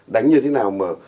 đánh như thế nào mà